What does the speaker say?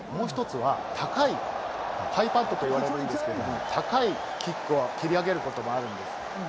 またこの長いキックと、もう１つは高いハイパントというんですが、高いキックを蹴り上げることもあるんです。